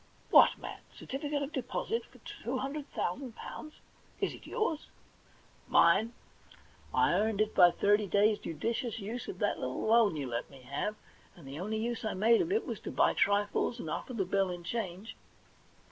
What, man ! Certificate of deposit for £200,000 ? Is it yours ?'* Mine ! I earned it by thirty days' judicious use of that Uttle loan you let me have. And the only use I made of it was to buy trifles and offer the bill in change.